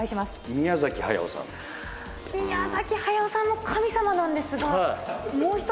宮崎駿さんも神様なんですがもう１人。